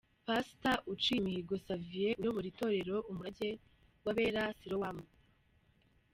Pastor Uciyimihigo Xavier uyobora Itorero Umurage w'Abera Sirowamu.